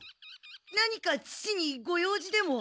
何か父にご用事でも？